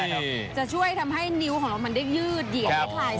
นิ้วของเรามันได้ยืดเหี้ย